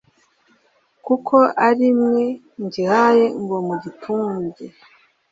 kuko ari mwe ngihaye ngo mugitunge.